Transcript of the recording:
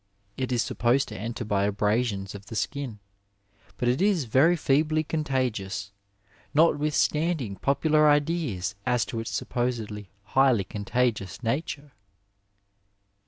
It is supposed to enter by abrasions of the skin, but it is very feebly contagious, notwithstanding popular ideas as to its supposedly highly contagious nature.